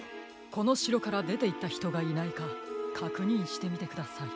このしろからでていったひとがいないかかくにんしてみてください。